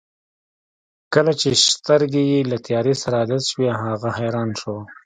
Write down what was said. کله چې سترګې یې له تیارې سره عادت شوې هغه حیران شو.